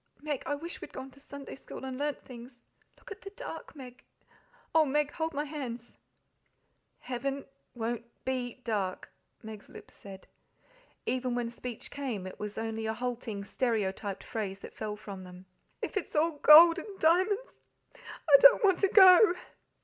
Meg, I wish we'd gone to Sunday school and learnt things. Look at the dark, Meg! Oh, Meg, hold my hands!" "Heaven won't be dark," Meg's lips said. Even when speech came, it was only a halting, stereotyped phrase that fell from them. "If it's all gold and diamonds, I don't want to go!"